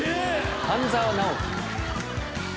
半沢直樹。